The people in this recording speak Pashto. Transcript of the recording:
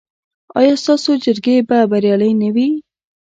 ایا ستاسو جرګې به بریالۍ نه وي؟